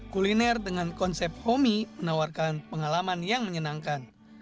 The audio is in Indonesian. kuliner dengan konsep homey menawarkan pengalaman yang menyenangkan